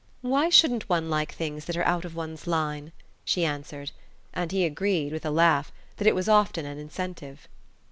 "Why shouldn't one like things that are out of one's line?" she answered; and he agreed, with a laugh, that it was often an incentive.